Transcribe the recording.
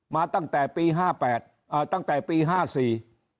มาตั้งแต่ปีห้าแปดอ่าตั้งแต่ปีห้าสี่